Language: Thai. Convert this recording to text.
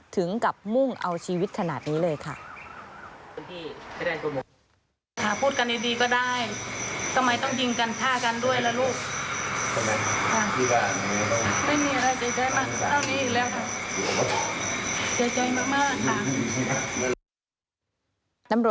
ถึงกับมุ่งเอาชีวิตขนาดนี้เลยค่ะ